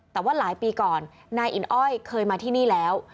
แต่ว่าหลายปีก่อนนายอินอ้อยเคยมาที่นี่แล้ว